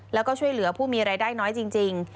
แล้วก็ช่วยเหลือผู้มีรายได้น้อยจริง